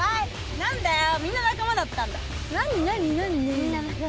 何だよ、みんな仲間だったんだ。